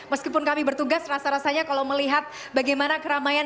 meskipun kami bertugas rasa rasanya kalau melihat bagaimana keramaian